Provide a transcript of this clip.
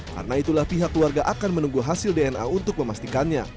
karena itulah pihak keluarga akan menunggu hasil dna untuk memastikannya